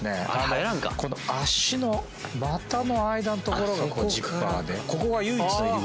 この脚の股の間の所がジッパーでここが唯一の入り口なんですよ」